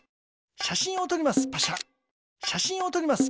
しゃしんをとります。